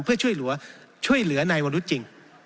เพื่อช่วยเหลือในอนุจจริง